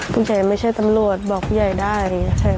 ผู้ใหญ่ไม่ใช่ตำรวจบอกผู้ใหญ่ได้